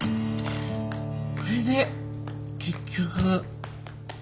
それで結局。